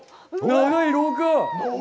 長い廊下。